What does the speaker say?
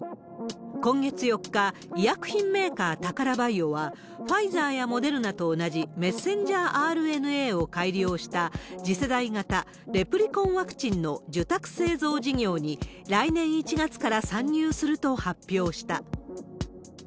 今月４日、医薬品メーカー、タカラバイオは、ファイザーやモデルナと同じ、メッセンジャーＲＮＡを改良した、次世代型レプリコンワクチンの受託製造事業に来年１月から参入すると発表した。